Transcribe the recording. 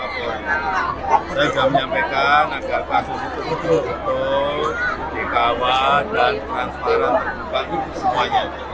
saya sudah menyampaikan agar kasus itu betul betul dikawal dan transparan terbuka semuanya